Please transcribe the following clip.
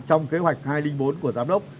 trong kế hoạch hai trăm linh bốn của giám đốc